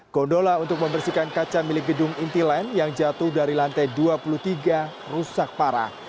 gondola untuk membersihkan kaca milik gedung inti lain yang jatuh dari lantai dua puluh tiga rusak parah